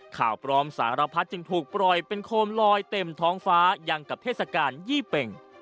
ข่าวปลอมสารพัดจึงถูกปล่อยเป็นโคมลอยเต็มท้องฟ้ายังกับเทศกาลยี่เป็ง